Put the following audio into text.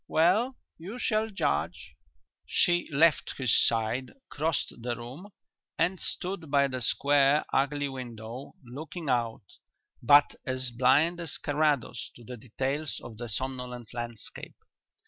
Well, you shall judge." She left his side, crossed the room, and stood by the square, ugly window, looking out, but as blind as Carrados to the details of the somnolent landscape.